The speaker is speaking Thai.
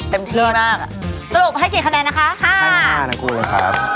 เต็มที่มากอ่ะสรุปให้กี่คะแนนนะคะ๕๕นักคุณครับ